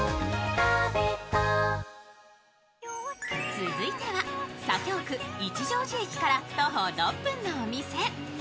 続いては左京区・一乗寺駅から徒歩６分のお店。